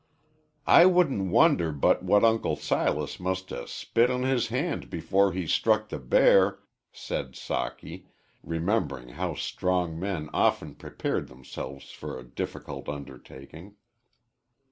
"I wouldn't wonder but what Uncle Silas must 'a' spit on his hand before he struck the bear," said Socky, remembering how strong men often prepared themselves for a difficult undertaking.